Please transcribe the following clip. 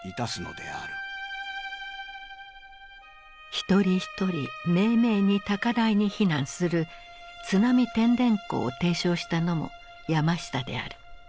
一人一人めいめいに高台に避難する「津波てんでんこ」を提唱したのも山下である。